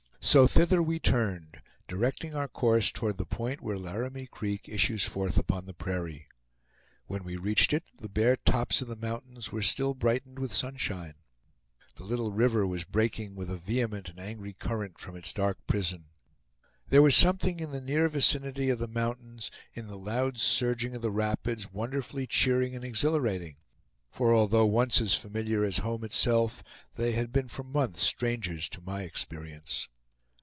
So thither we turned, directing our course toward the point where Laramie Creek issues forth upon the prairie. When we reached it the bare tops of the mountains were still brightened with sunshine. The little river was breaking with a vehement and angry current from its dark prison. There was something in the near vicinity of the mountains, in the loud surging of the rapids, wonderfully cheering and exhilarating; for although once as familiar as home itself, they had been for months strangers to my experience.